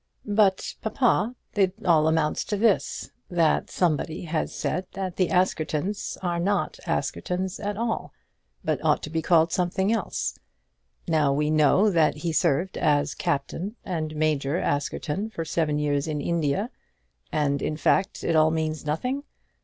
"But, papa, it all amounts to this that somebody has said that the Askertons are not Askertons at all, but ought to be called something else. Now we know that he served as Captain and Major Askerton for seven years in India and in fact it all means nothing.